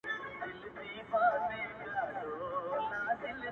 o او په تصوير كي مي؛